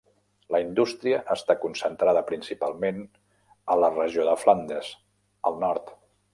La indústria està concentrada principalment a la regió de Flandes, al nord.